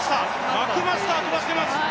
マクマスター飛ばしています。